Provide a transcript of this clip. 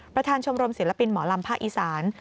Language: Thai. ประธานชมรมศิลปินหมอลำภาคอีสาน